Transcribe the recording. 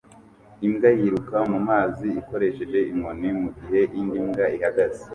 Imbwa yiruka mu mazi ikoresheje inkoni mu gihe indi mbwa ihagaze